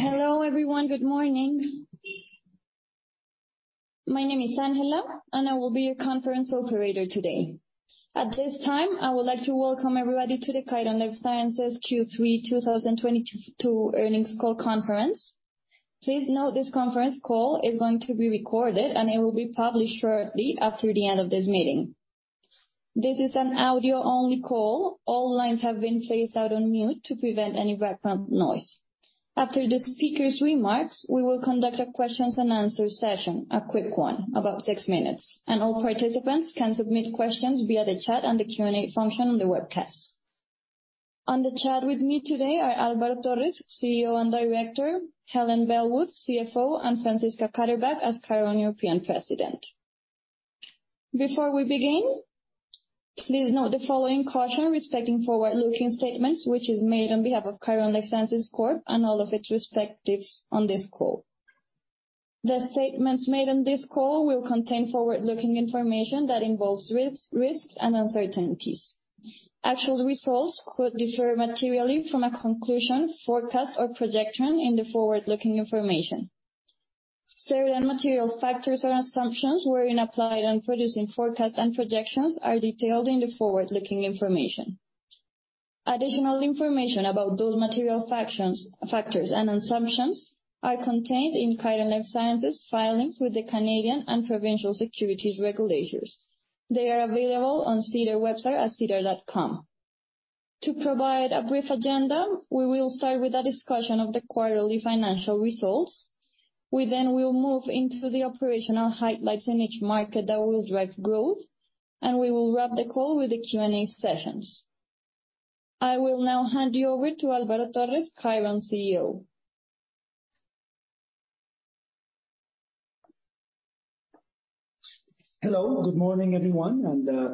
Hello, everyone. Good morning. My name is Angela. I will be your conference operator today. At this time, I would like to welcome everybody to the Khiron Life Sciences Q3 2022 Earnings Call Conference. Please note this conference call is going to be recorded. It will be published shortly after the end of this meeting. This is an audio-only call. All lines have been placed out on mute to prevent any background noise. After the speaker's remarks, we will conduct a questions and answer session, a quick one, about 6 minutes. All participants can submit questions via the chat and the Q&A function on the webcast. On the chat with me today are Alvaro Torres, CEO and Director, Helen Bellwood, CFO, and Franziska Katterbach as Khiron European President. Before we begin, please note the following caution respecting forward-looking statements, which is made on behalf of Khiron Life Sciences Corp, and all of its representatives on this call. The statements made on this call will contain forward-looking information that involves risks and uncertainties. Actual results could differ materially from a conclusion, forecast, or projection in the forward-looking information. Certain material factors or assumptions were applied in producing forecast and projections are detailed in the forward-looking information. Additional information about those material factors and assumptions are contained in Khiron Life Sciences' filings with the Canadian and Provincial Securities Regulators. They are available on SEDAR website at sedar.com. We will start with a discussion of the quarterly financial results. We will move into the operational highlights in each market that will drive growth. We will wrap the call with the Q&A sessions. I will now hand you over to Alvaro Torres, Khiron CEO. Hello. Good morning, everyone,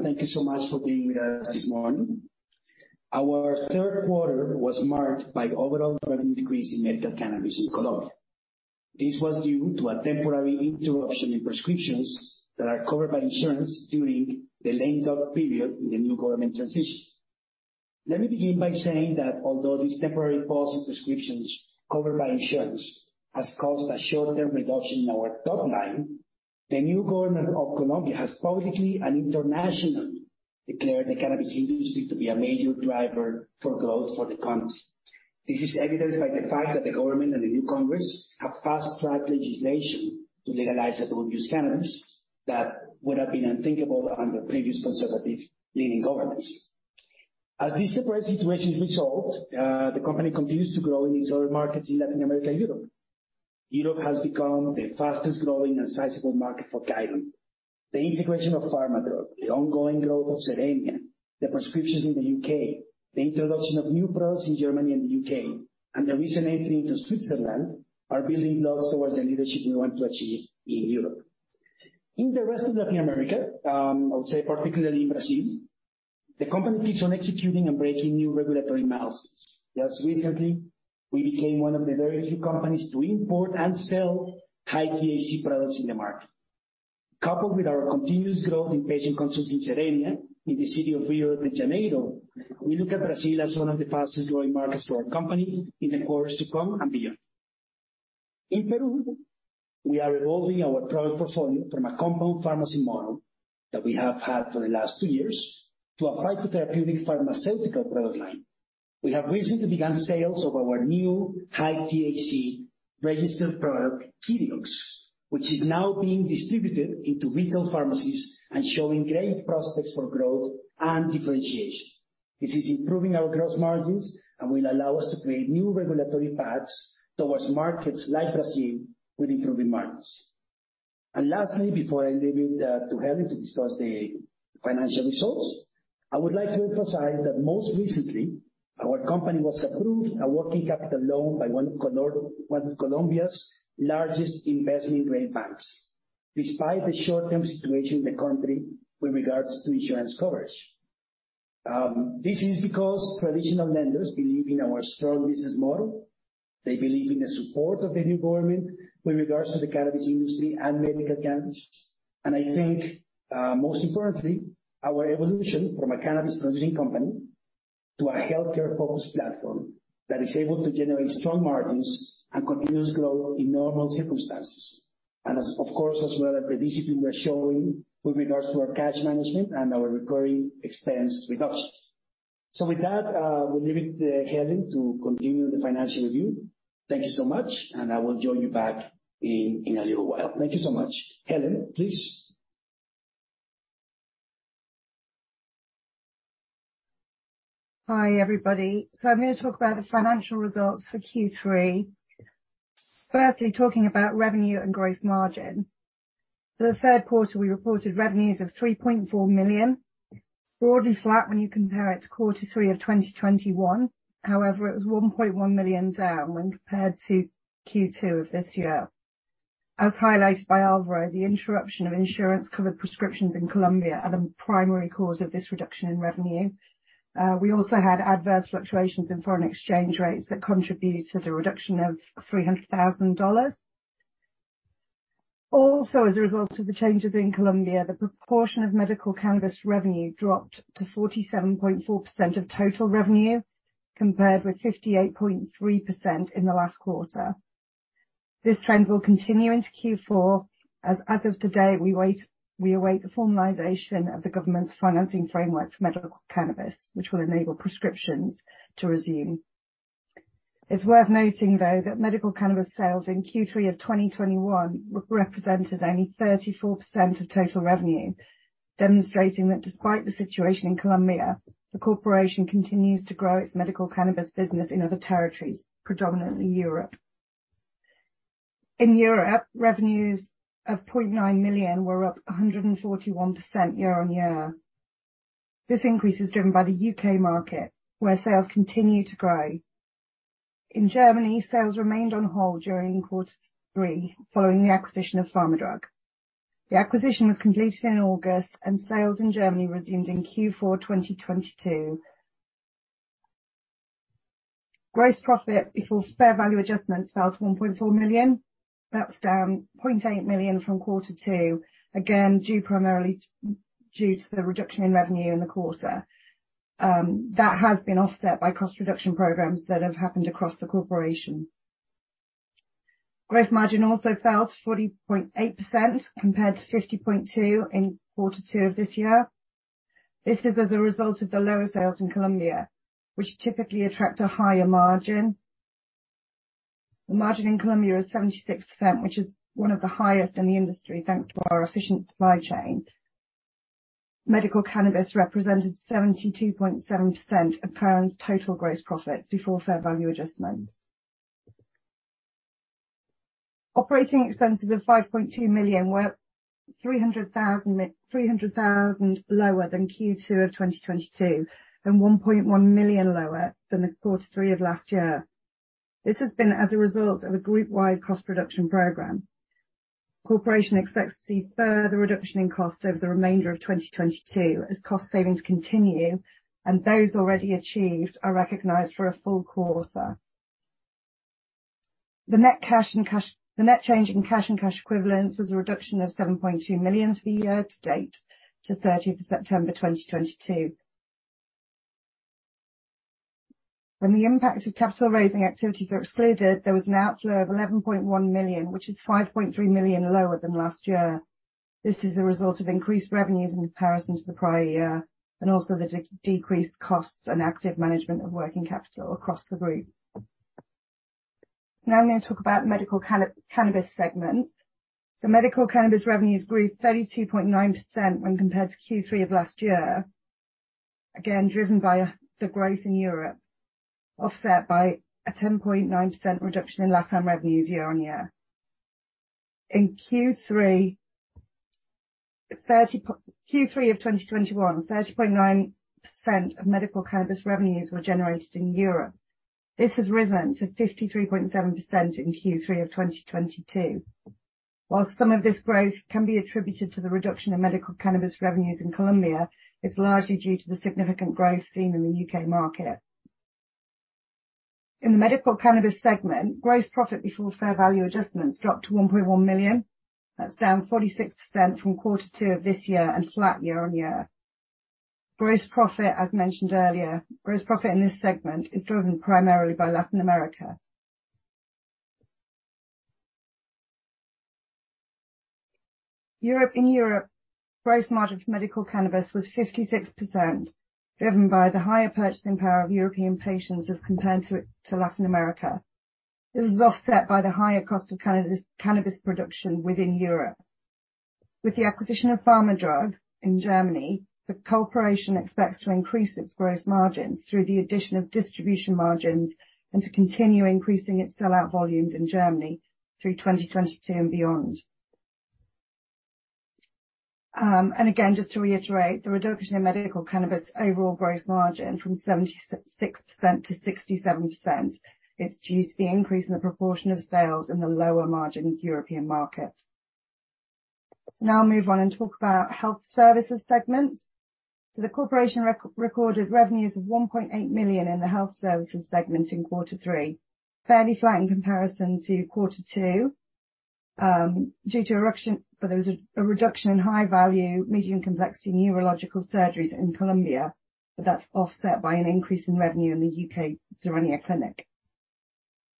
thank you so much for being with us this morning. Our 3rd quarter was marked by overall revenue decrease in medical cannabis in Colombia. This was due to a temporary interruption in prescriptions that are covered by insurance during the length of period in the new government transition. Let me begin by saying that although this temporary pause in prescriptions covered by insurance has caused a short-term reduction in our top line, the new government of Colombia has publicly and internationally declared the cannabis industry to be a major driver for growth for the country. This is evidenced by the fact that the government and the new Congress have passed legislation to legalize adult use cannabis that would have been unthinkable under previous conservative-leaning governments. As this separate situation is resolved, the company continues to grow in its other markets in Latin America and Europe. Europe has become the fastest-growing and sizable market for Khiron. The integration of Pharmadrug, the ongoing growth of Zerenia, the prescriptions in the U.K., the introduction of new products in Germany and the U.K., and the recent entry into Switzerland are building blocks towards the leadership we want to achieve in Europe. In the rest of Latin America, I'll say particularly in Brazil, the company keeps on executing and breaking new regulatory milestones. Just recently, we became one of the very few companies to import and sell high-THC products in the market. Coupled with our continuous growth in patient consults in Zerenia, in the city of Rio de Janeiro, we look at Brazil as one of the fastest growing markets for our company in the quarters to come and beyond. In Peru, we are evolving our product portfolio from a compound pharmacy model that we have had for the last two years to a phytotherapeutic pharmaceutical product line. We have recently begun sales of our new high-THC registered product, Khiriox, which is now being distributed into retail pharmacies and showing great prospects for growth and differentiation. This is improving our gross margins and will allow us to create new regulatory paths towards markets like Brazil with improving margins. Lastly, before I leave it to Helen to discuss the financial results, I would like to emphasize that most recently, our company was approved a working capital loan by one of Colombia's largest investment-grade banks, despite the short-term situation in the country with regards to insurance coverage. This is because traditional lenders believe in our strong business model. They believe in the support of the new government with regards to the cannabis industry and medical cannabis. I think, most importantly, our evolution from a cannabis producing company to a healthcare-focused platform that is able to generate strong margins and continuous growth in normal circumstances. As, of course, as well the discipline we're showing with regards to our cash management and our recurring expense reduction. With that, we'll leave it to Helen to continue the financial review. Thank you so much. I will join you back in a little while. Thank you so much. Helen, please. Hi, everybody. I'm gonna talk about the financial results for Q3. Firstly, talking about revenue and gross margin. For the third quarter, we reported revenues of 3.4 million, broadly flat when you compare it to quarter three of 2021. However, it was 1.1 million down when compared to Q2 of this year. As highlighted by Alvaro, the interruption of insurance-covered prescriptions in Colombia are the primary cause of this reduction in revenue. We also had adverse fluctuations in foreign exchange rates that contributed to the reduction of 300,000 dollars. Also, as a result of the changes in Colombia, the proportion of medical cannabis revenue dropped to 47.4% of total revenue, compared with 58.3% in the last quarter. This trend will continue into Q4 as of today, we await the formalization of the government's financing framework for medical cannabis, which will enable prescriptions to resume. It's worth noting, though, that medical cannabis sales in Q3 of 2021 represented only 34% of total revenue, demonstrating that despite the situation in Colombia, the corporation continues to grow its medical cannabis business in other territories, predominantly Europe. In Europe, revenues of 0.9 million were up 141% year-over-year. This increase is driven by the U.K. market, where sales continue to grow. In Germany, sales remained on hold during Q3 following the acquisition of Pharmadrug. The acquisition was completed in August and sales in Germany resumed in Q4 2022. Gross profit before fair value adjustments fell to 1.4 million. That's down 0.8 million from quarter two, again, due primarily due to the reduction in revenue in the quarter. That has been offset by cost reduction programs that have happened across the corporation. Gross margin also fell to 40.8% compared to 50.2% in quarter two of this year. This is as a result of the lower sales in Colombia, which typically attract a higher margin. The margin in Colombia is 76%, which is one of the highest in the industry, thanks to our efficient supply chain. Medical cannabis represented 72.7% of Khiron's total gross profits before fair value adjustments. Operating expenses of 5.2 million were 300,000 lower than Q2 of 2022 and 1.1 million lower than the quarter three of last year. This has been as a result of a group-wide cost reduction program. Corporation expects to see further reduction in cost over the remainder of 2022 as cost savings continue and those already achieved are recognized for a full quarter. The net change in cash and cash equivalents was a reduction of 7.2 million for the year-to-date to 13th of September 2022. When the impact of capital raising activities are excluded, there was an outflow of 11.1 million, which is 5.3 million lower than last year. This is a result of increased revenues in comparison to the prior year, and also the decreased costs and active management of working capital across the group. Now I'm gonna talk about medical cannabis segment. Medical cannabis revenues grew 32.9% when compared to Q3 of 2021, again, driven by the growth in Europe, offset by a 10.9% reduction in Latin revenues year-on-year. In Q3 of 2021, 30.9% of medical cannabis revenues were generated in Europe. This has risen to 53.7% in Q3 of 2022. While some of this growth can be attributed to the reduction in medical cannabis revenues in Colombia, it's largely due to the significant growth seen in the U.K. market. In the medical cannabis segment, gross profit before fair value adjustments dropped to 1.1 million. That's down 46% from Q2 of this year and flat year-on-year. Gross profit, as mentioned earlier, gross profit in this segment is driven primarily by Latin America. In Europe, gross margin for medical cannabis was 56%, driven by the higher purchasing power of European patients as compared to Latin America. This is offset by the higher cost of cannabis production within Europe. With the acquisition of Pharmadrug in Germany, the corporation expects to increase its gross margins through the addition of distribution margins and to continue increasing its sell-out volumes in Germany through 2022 and beyond. Again, just to reiterate, the reduction in medical cannabis overall gross margin from 76% to 67% is due to the increase in the proportion of sales in the lower margin European market. Now I'll move on and talk about health services segment. The corporation recorded revenues of 1.8 million in the health services segment in quarter 3. Fairly flat in comparison to quarter two, due to a reduction in high-value, medium complexity neurological surgeries in Colombia, but that's offset by an increase in revenue in the UK Zerenia clinic.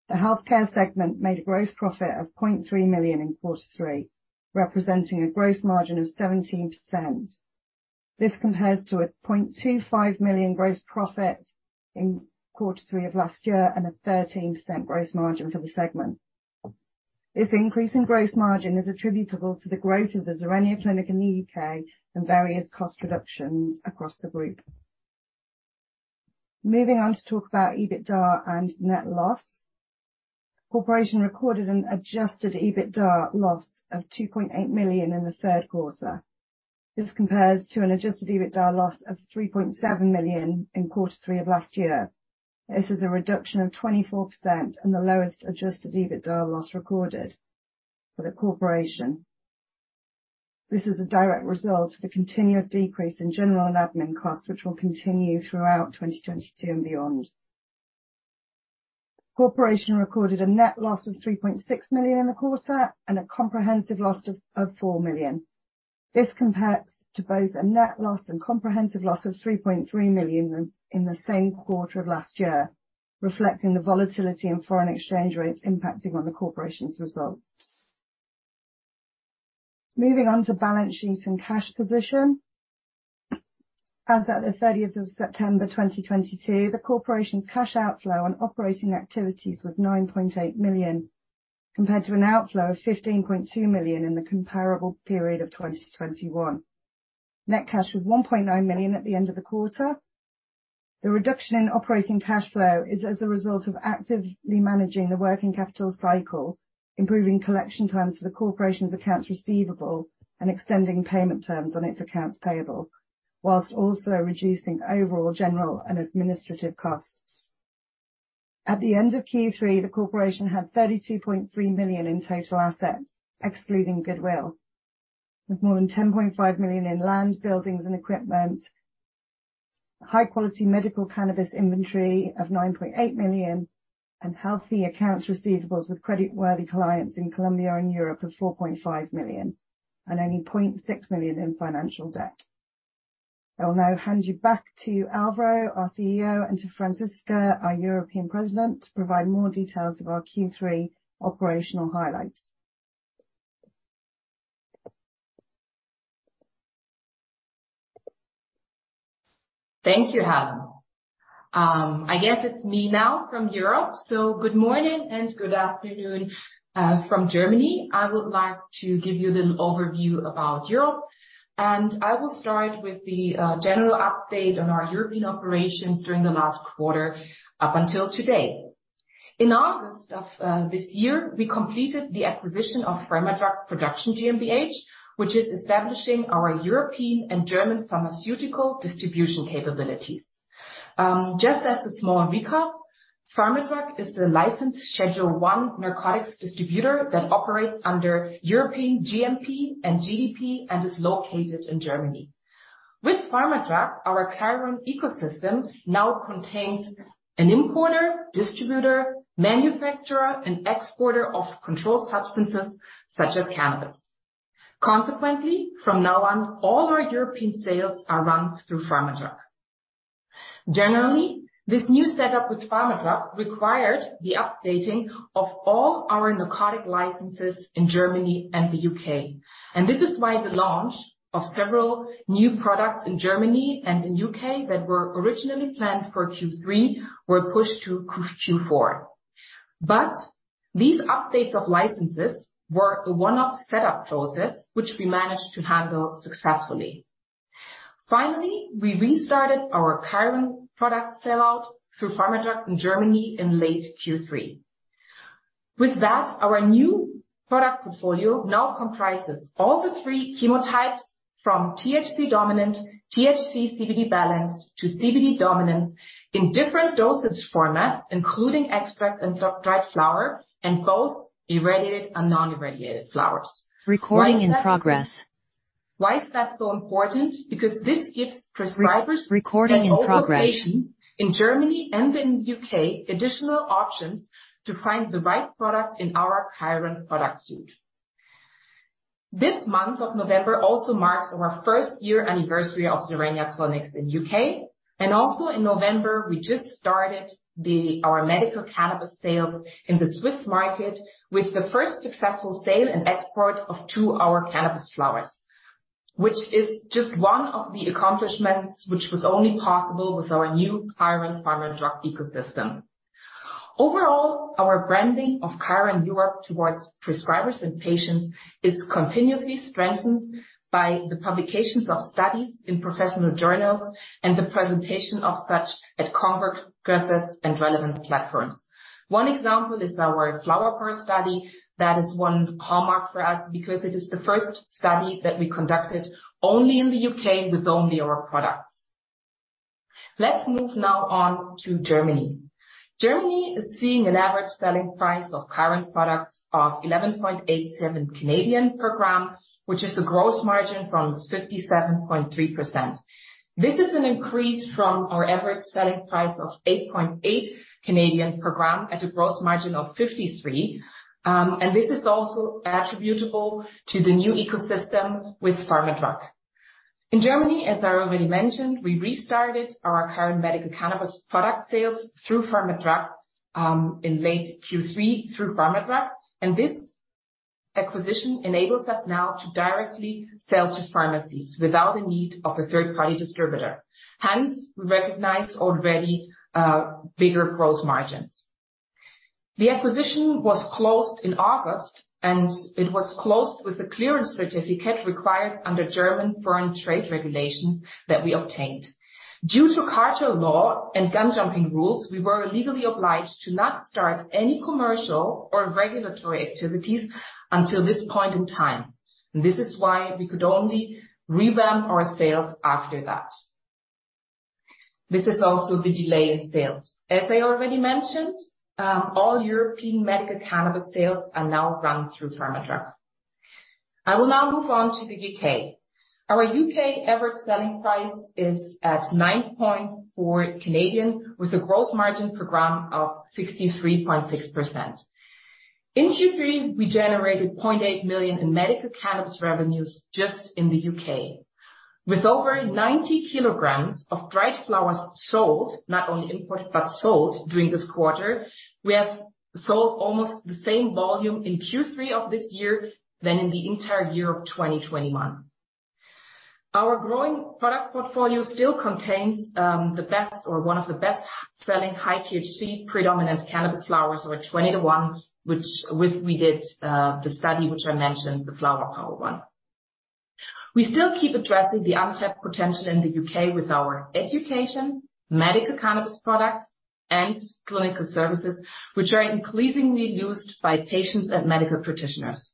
The healthcare segment made a gross profit of 0.3 million in quarter three, representing a gross margin of 17%. This compares to a 0.25 million gross profit in quarter three of last year and a 13% gross margin for the segment. This increase in gross margin is attributable to the growth of the UK Zerenia clinic and various cost reductions across the group. Moving on to talk about EBITDA and net loss. Corporation recorded an adjusted EBITDA loss of 2.8 million in the third quarter. This compares to an adjusted EBITDA loss of 3.7 million in quarter three of last year. This is a reduction of 24% and the lowest adjusted EBITDA loss recorded for the corporation. This is a direct result of a continuous decrease in general and admin costs, which will continue throughout 2022 and beyond. Corporation recorded a net loss of 3.6 million in the quarter and a comprehensive loss of 4 million. This compares to both a net loss and comprehensive loss of 3.3 million in the same quarter of last year, reflecting the volatility in foreign exchange rates impacting on the corporation's results. Moving on to balance sheet and cash position. As at the 30th of September 2022, the corporation's cash outflow on operating activities was 9.8 million, compared to an outflow of 15.2 million in the comparable period of 2021. Net cash was 1.9 million at the end of the quarter. The reduction in operating cash flow is as a result of actively managing the working capital cycle, improving collection times for the corporation's accounts receivable, and extending payment terms on its accounts payable, while also reducing overall general and administrative costs. At the end of Q3, the corporation had 32.3 million in total assets, excluding goodwill, with more than 10.5 million in land, buildings and equipment, high quality medical cannabis inventory of 9.8 million, and healthy accounts receivables with credit-worthy clients in Colombia and Europe of 4.5 million, and only 0.6 million in financial debt. I'll now hand you back to Alvaro, our CEO, and to Franziska, our European President, to provide more details of our Q3 operational highlights. Thank you, Helen. I guess it's me now from Europe. Good morning and good afternoon from Germany. I would like to give you a little overview about Europe, and I will start with the general update on our European operations during the last quarter up until today. In August of this year, we completed the acquisition of Pharmadrug Production GmbH, which is establishing our European and German pharmaceutical distribution capabilities. Just as a small recap, Pharmadrug is the licensed Schedule I narcotics distributor that operates under European GMP and GDP and is located in Germany. With Pharmadrug, our Khiron ecosystem now contains an importer, distributor, manufacturer, and exporter of controlled substances such as cannabis. Consequently, from now on, all our European sales are run through Pharmadrug. Generally, this new setup with Pharmadrug required the updating of all our narcotic licenses in Germany and the U.K., this is why the launch of several new products in Germany and in U.K. that were originally planned for Q3 were pushed to Q4. These updates of licenses were a one-off setup process, which we managed to handle successfully. Finally, we restarted our Khiron product sell-out through Pharmadrug in Germany in late Q3. With that, our new product portfolio now comprises all the three chemotypes from THC-dominant, THC CBD-balance to CBD-dominant in different dosage formats, including extracts and dried flower, and both irradiated and non-irradiated flowers. Why is that so important? This gives prescribers in Germany and in U.K. additional options to find the right product in our Khiron product suite. This month of November also marks our first year anniversary of Zerenia Clinics UK. Also in November, we just started our medical cannabis sales in the Swiss market with the first successful sale and export of 2 our cannabis flowers, which is just one of the accomplishments which was only possible with our new Khiron Pharmadrug ecosystem. Overall, our branding of Khiron Europe towards prescribers and patients is continuously strengthened by the publications of studies in professional journals and the presentation of such at congresses and relevant platforms. One example is our Flower Power study. That is one hallmark for us because it is the first study that we conducted only in the UK with only our products. Let's move now on to Germany. Germany is seeing an average selling price of Khiron products of 11.87 per gram, which is a gross margin from 57.3%. This is an increase from our average selling price of 8.8 per gram at a gross margin of 53%. This is also attributable to the new ecosystem with Pharmadrug. In Germany, as I already mentioned, we restarted our current medical cannabis product sales through Pharmadrug in late Q3 through Pharmadrug, and this acquisition enables us now to directly sell to pharmacies without the need of a third-party distributor. Hence, we recognize already bigger gross margins. The acquisition was closed in August. It was closed with the clearance certificate required under German foreign trade regulation that we obtained. Due to cartel law and gun jumping rules, we were legally obliged to not start any commercial or regulatory activities until this point in time. This is why we could only revamp our sales after that. This is also the delay in sales. As I already mentioned, all European medical cannabis sales are now run through Pharmadrug. I will now move on to the UK. Our UK average selling price is at 9.4, with a gross margin per gram of 63.6%. In Q3, we generated 0.8 million in medical cannabis revenues just in the UK. With over 90 kilograms of dried flowers sold, not only imported, but sold during this quarter, we have sold almost the same volume in Q3 of this year than in the entire year of 2021. Our growing product portfolio still contains the best or one of the best-selling high THC predominant cannabis flowers over 20 to 1, which with we did the study which I mentioned, the Flower Power one. We still keep addressing the untapped potential in the U.K. with our education, medical cannabis products and clinical services, which are increasingly used by patients and medical practitioners.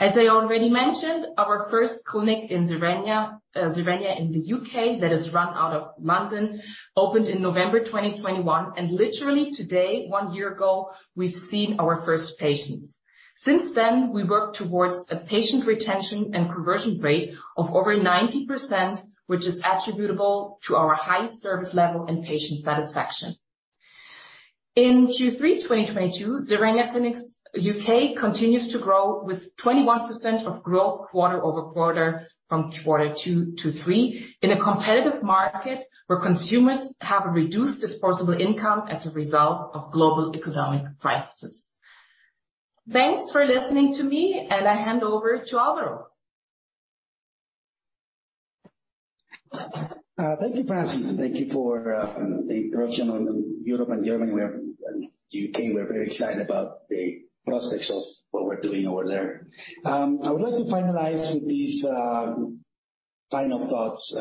As I already mentioned, our first clinic in Zerenia in the U.K. that is run out of London, opened in November 2021, and literally today, 1 year ago, we've seen our first patients. Since then, we worked towards a patient retention and conversion rate of over 90%, which is attributable to our high service level and patient satisfaction. In Q3 2022, Zerenia Clinics UK continues to grow with 21% of growth quarter-over-quarter from quarter two to three in a competitive market where consumers have a reduced disposable income as a result of global economic crisis. Thanks for listening to me. I hand over to Alvaro. Thank you, Franziska. Thank you for the introduction on Europe and Germany. And UK, we're very excited about the prospects of what we're doing over there. I would like to finalize with these final thoughts,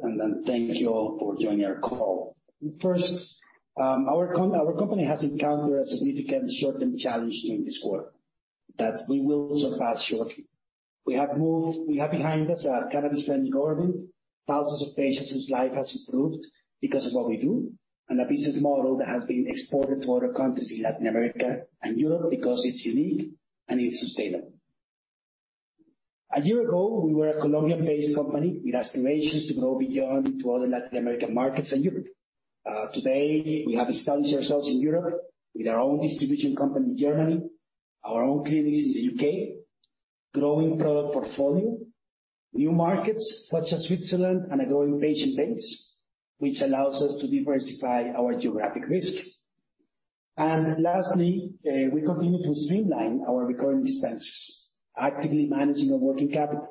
and then thank you all for joining our call. First, our company has encountered a significant short-term challenge during this quarter that we will surpass shortly. We have moved. We have behind us a cannabis-friendly government, thousands of patients whose life has improved because of what we do, and a business model that has been exported to other countries in Latin America and Europe because it's unique and it's sustainable. A year ago, we were a Colombian-based company with aspirations to grow beyond to other Latin American markets and Europe. Today, we have established ourselves in Europe with our own distribution company in Germany, our own clinics in the U.K., growing product portfolio, new markets such as Switzerland, and a growing patient base, which allows us to diversify our geographic risk. Lastly, we continue to streamline our recurring expenses, actively managing our working capital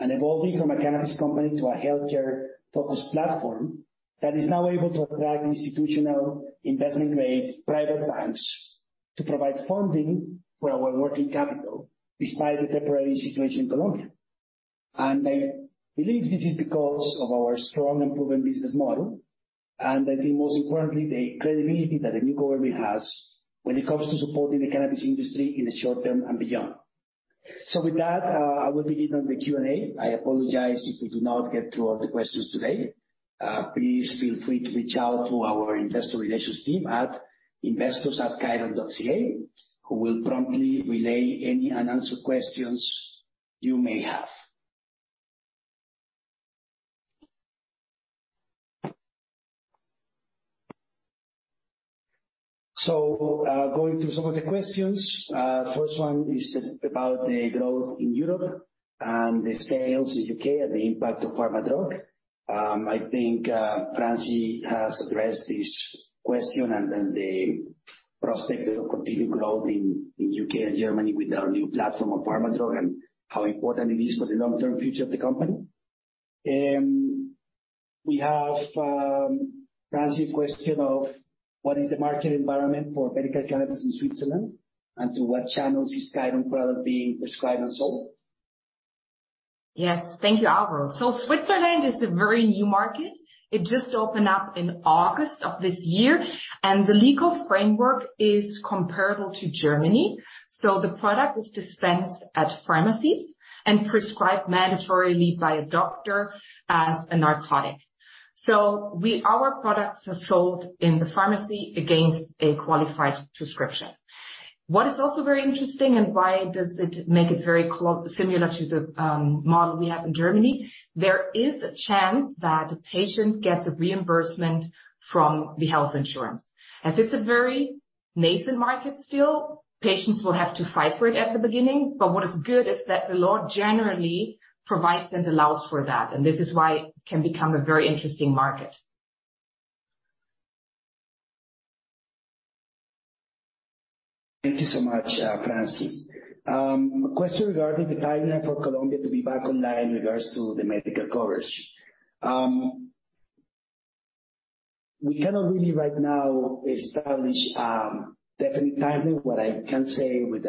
and evolving from a cannabis company to a healthcare-focused platform that is now able to attract institutional investment-grade private banks to provide funding for our working capital despite the temporary situation in Colombia. I believe this is because of our strong and proven business model, and I think most importantly, the credibility that the new government has when it comes to supporting the cannabis industry in the short term and beyond. With that, I will begin on the Q&A. I apologize if we do not get to all the questions today. Please feel free to reach out to our investor relations team at investors@khiron.ca, who will promptly relay any unanswered questions you may have. Going through some of the questions. First one is about the growth in Europe and the sales in UK and the impact of Pharmadrug. I think Franziska has addressed this question, and then the prospect of continued growth in UK and Germany with our new platform of Pharmadrug and how important it is for the long-term future of the company. We have Franziska, question of: What is the market environment for medical cannabis in Switzerland, and to what channels is Khiron product being prescribed and sold? Yes. Thank you, Alvaro. Switzerland is a very new market. It just opened up in August of this year, and the legal framework is comparable to Germany. The product is dispensed at pharmacies and prescribed mandatorily by a doctor as a narcotic. Our products are sold in the pharmacy against a qualified prescription. What is also very interesting and why does it make it very similar to the model we have in Germany, there is a chance that the patient gets a reimbursement from the health insurance. As it's a very nascent market still, patients will have to fight for it at the beginning. What is good is that the law generally provides and allows for that, and this is why it can become a very interesting market. Thank you so much, Franziska. A question regarding the timeline for Colombia to be back online in regards to the medical coverage. We cannot really right now establish a definite timeline. What I can say with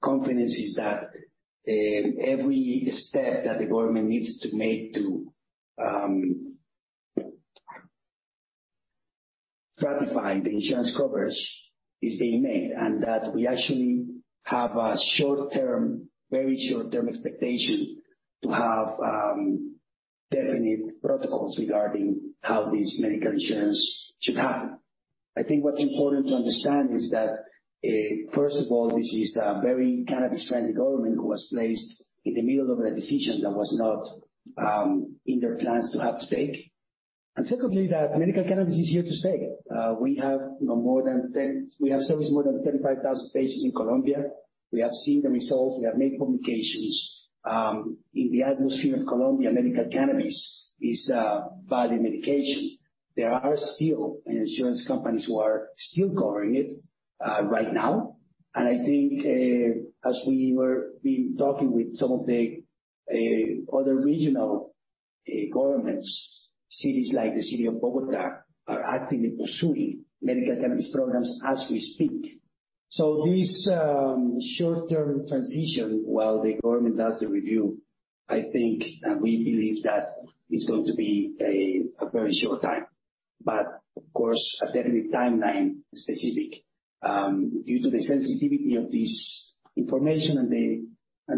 confidence is that every step that the government needs to make to ratify the insurance coverage is being made, and that we actually have a short-term, very short-term expectation to have definite protocols regarding how this medical insurance should happen. I think what's important to understand is that, first of all, this is a very cannabis-friendly government who was placed in the middle of a decision that was not in their plans to have to take. Secondly, that medical cannabis is here to stay. We have, you know, serviced more than 35,000 patients in Colombia. We have seen the results. We have made publications. In the atmosphere of Colombia, medical cannabis is valid medication. There are still insurance companies who are still covering it right now. I think, as we were, been talking with some of the other regional governments, cities like the city of Bogotá, are actively pursuing medical cannabis programs as we speak. This short-term transition while the government does the review, I think, and we believe that it's going to be a very short time. Of course, a definite timeline specific, due to the sensitivity of this information and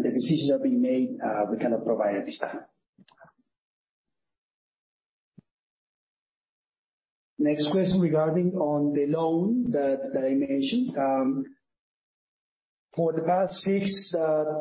the decisions that we made, we cannot provide at this time. Next question regarding on the loan that I mentioned. For the past 6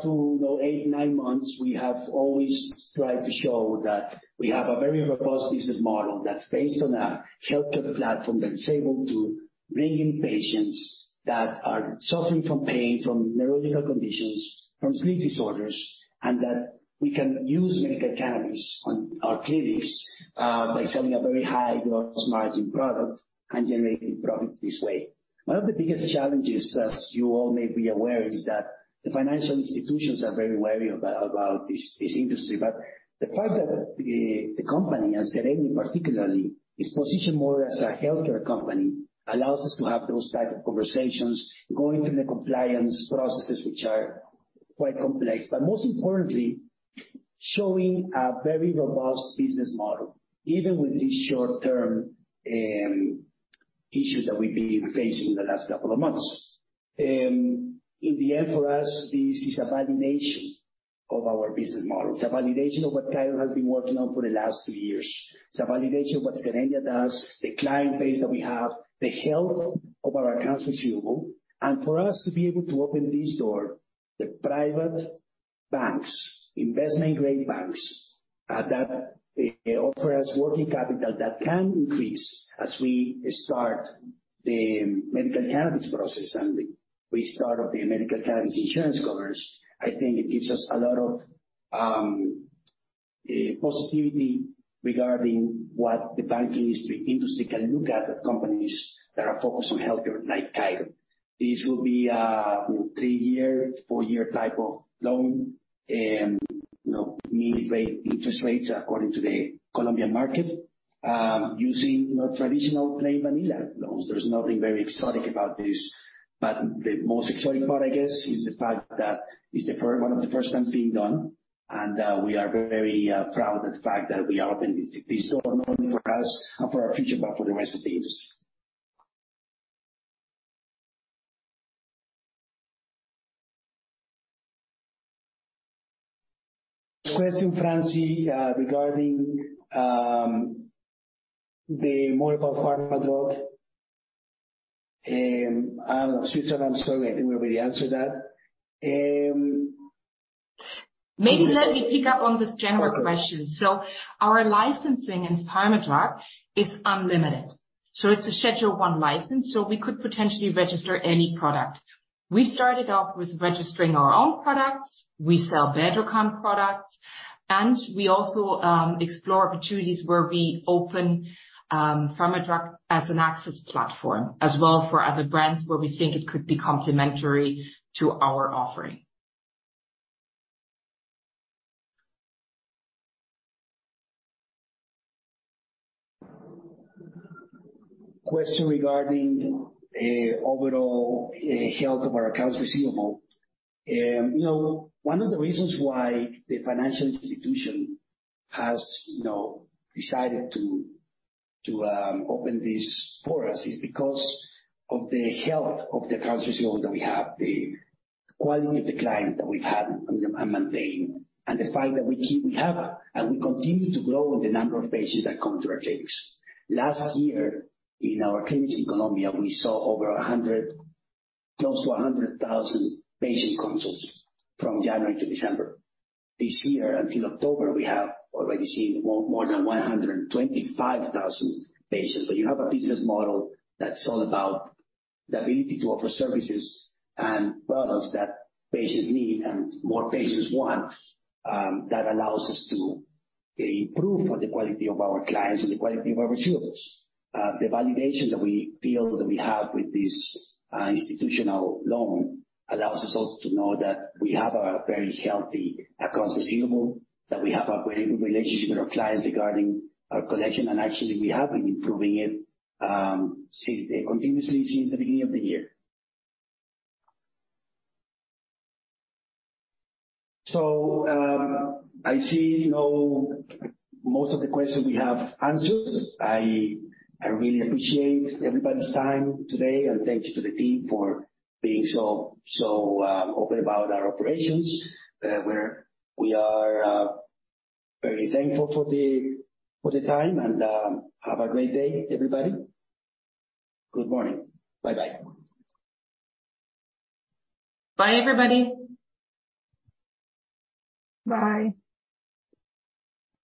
to, you know, 8, 9 months, we have always tried to show that we have a very robust business model that's based on a healthcare platform that is able to bring in patients that are suffering from pain, from neurological conditions, from sleep disorders, and that we can use medical cannabis on our clinics by selling a very high gross margin product and generating profits this way. One of the biggest challenges, as you all may be aware, is that the financial institutions are very wary about this industry. The fact that the company, and Zerenia particularly, is positioned more as a healthcare company, allows us to have those type of conversations going through the compliance processes, which are quite complex. Most importantly, showing a very robust business model, even with these short-term issues that we've been facing in the last couple of months. In the end, for us, this is a validation of our business model. It's a validation of what Khiron has been working on for the last two years. It's a validation of what Zerenia does, the client base that we have, the health of our accounts receivable. For us to be able to open this door, the private banks, investment-grade banks, that offer us working capital that can increase as we start the medical cannabis process and we start up the medical cannabis insurance covers, I think it gives us a lot of positivity regarding what the banking industry can look at companies that are focused on healthcare like Khiron. This will be a 3-year, 4-year type of loan and, you know, mini rate interest rates according to the Colombian market, using the traditional plain vanilla loans. There's nothing very exotic about this. The most exotic part, I guess, is the fact that it's the first, one of the first times being done, and we are very proud of the fact that we are opening this door not only for us and for our future, but for the rest of the industry. Question, Franzi, regarding the more about Pharmadrug? Switzerland, I'm sorry, I think we already answered that. Maybe let me pick up on this general question. Okay. Our licensing in Pharmadrug is unlimited. It's a Schedule I license, so we could potentially register any product. We started off with registering our own products. We sell Bedrocan products, and we also explore opportunities where we open Pharmadrug as an access platform as well for other brands where we think it could be complementary to our offering. Question regarding overall health of our accounts receivable. You know, one of the reasons why the financial institution has, you know, decided to open this for us is because of the health of the accounts receivable that we have, the quality of the client that we've had and maintain, and the fact that we have and we continue to grow the number of patients that come to our clinics. Last year, in our clinics in Colombia, we saw over 100, close to 100,000 patient consults from January to December. This year, until October, we have already seen more than 125,000 patients. You have a business model that's all about the ability to offer services and products that patients need and more patients want, that allows us to improve on the quality of our clients and the quality of our receivables. The validation that we feel that we have with this institutional loan allows us also to know that we have a very healthy accounts receivable, that we have a very good relationship with our clients regarding our collection, and actually, we have been improving it, since, continuously since the beginning of the year. I see, you know, most of the questions we have answered. I really appreciate everybody's time today. Thank you to the team for being so open about our operations, where we are, very thankful for the time. Have a great day, everybody. Good morning. Bye-bye. Bye, everybody. Bye.